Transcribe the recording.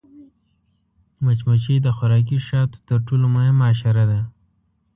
مچمچۍ د خوراکي شاتو تر ټولو مهمه حشره ده